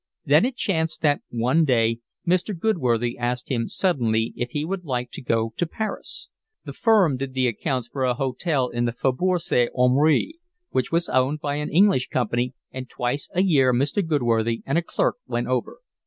Then it chanced that one day Mr. Goodworthy asked him suddenly if he would like to go to Paris. The firm did the accounts for a hotel in the Faubourg St. Honore, which was owned by an English company, and twice a year Mr. Goodworthy and a clerk went over.